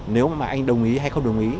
nếu mà anh đồng ý hay không đồng ý